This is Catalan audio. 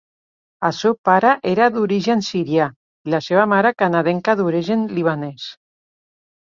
El seu pare era d'origen sirià i la seva mare canadenca d'origen libanès.